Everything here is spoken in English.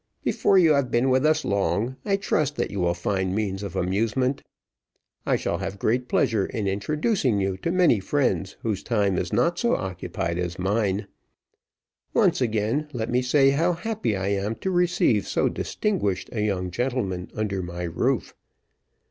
Before you have been with us long, I trust that you will find means of amusement. I shall have great pleasure in introducing you to many friends whose time is not so occupied as mine. Once again let me say how happy I am to receive so distinguished a young gentleman under my roof.